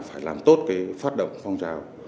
phải làm tốt cái phát động phong trào